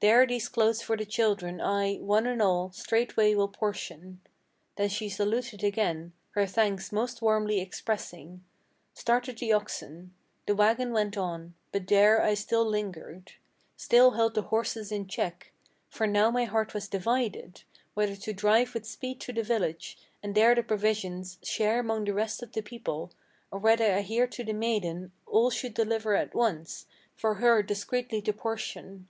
There these clothes for the children I, one and all, straightway will portion.' Then she saluted again, her thanks most warmly expressing, Started the oxen; the wagon went on; but there I still lingered, Still held the horses in check; for now my heart was divided Whether to drive with speed to the village, and there the provisions Share 'mong the rest of the people, or whether I here to the maiden All should deliver at once, for her discreetly to portion.